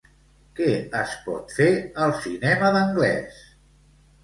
Què es pot fer al cinema d'Anglès?